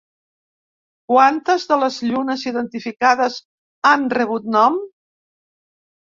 Quantes de les llunes identificades han rebut nom?